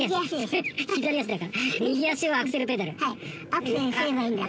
アクセル踏めばいいんだ。